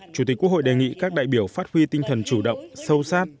chủ tịch quốc hội đề nghị các đại biểu phát huy tinh thần chủ động sâu sát